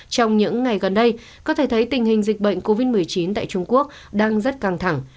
trong những ngày gần đây có thể thấy tình hình dịch bệnh covid một mươi chín tại trung quốc đang rất căng thẳng